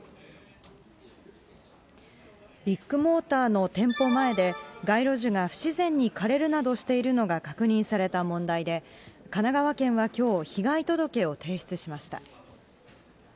ビッグモーターの店舗前で、街路樹が不自然に枯れるなどしているのが確認された問題で、神奈川県はきょう、被害届を提出しました。